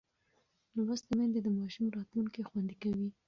لوستې میندې د ماشوم راتلونکی خوندي کوي.